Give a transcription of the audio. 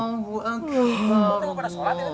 tunggu pada sholat ini tkt